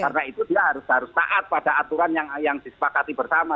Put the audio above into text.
karena itu dia harus taat pada aturan yang disepakati bersama